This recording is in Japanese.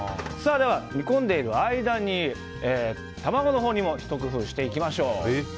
では、煮込んでいる間に卵にもひと工夫していきましょう。